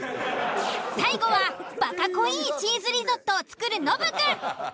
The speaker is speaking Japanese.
最後はバカ濃いぃチーズリゾットを作るノブくん。